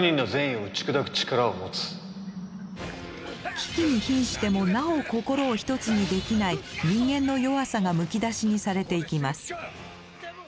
危機にひんしてもなお心を一つにできない人間の弱さがむき出しにされていきます。